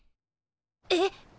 えっ。